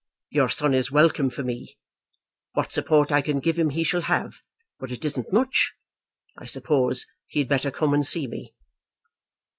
Your son is welcome for me. What support I can give him he shall have, but it isn't much. I suppose he had better come and see me."